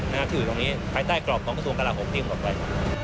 ที่อยู่ตรงนี้ใบใต้กรอบตรงกระทรวงกล่าว๖ติมก่อนไป